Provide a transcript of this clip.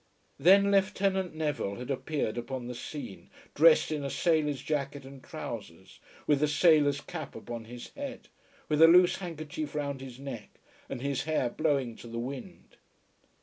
Then Lieutenant Neville had appeared upon the scene, dressed in a sailor's jacket and trowsers, with a sailor's cap upon his head, with a loose handkerchief round his neck and his hair blowing to the wind.